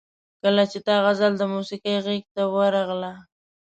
کله چې دا غزل د موسیقۍ غیږ ته ورغله.